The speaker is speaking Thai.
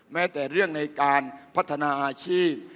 แม้แต่เรื่องในการพัฒนาอาชีพ